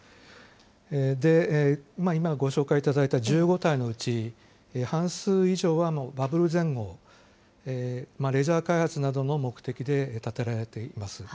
今ご紹介いただいた１５体のうち半数以上はバブル前後、レジャー開発などの目的で建てられています。